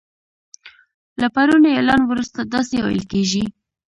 له پروني اعلان وروسته داسی ویل کیږي